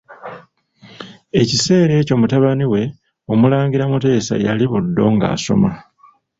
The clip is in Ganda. Mu kiseera ekyo mutabani we, Omulangira Muteesa yali Buddo ng'asoma.